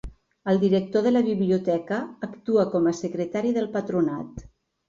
El director de la Biblioteca actua com a secretari del patronat.